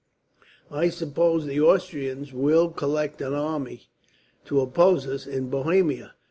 I suppose the Austrians will collect an army to oppose us, in Bohemia.